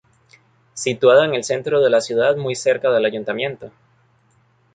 Situada en el centro de la ciudad, muy cerca del ayuntamiento.